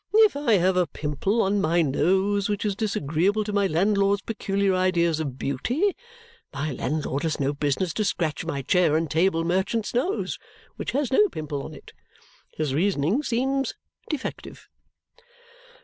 If I have a pimple on my nose which is disagreeable to my landlord's peculiar ideas of beauty, my landlord has no business to scratch my chair and table merchant's nose, which has no pimple on it. His reasoning seems defective!"